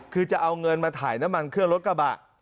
คือจะเอาเงินมาถ่ายน้ำมันเครื่องรถกระบะ